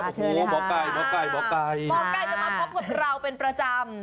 มาเชิญค่ะหมอไก่หมอไก่หมอไก่มาเชิญค่ะหมอไก่จะมาพบกับเราเป็นประจำ